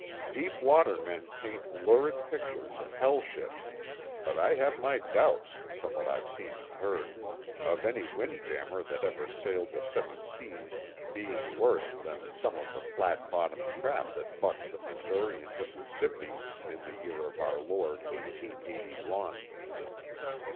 Deep water men paint lurid pictures of hell ships, but I have my doubts, from what I've seen and heard, of any wind jammer that ever sailed the seven seas being worse that some of the flat bottomed craft that bucked the Missouri and Mississippi in the year of our Lord eighteen eighty one.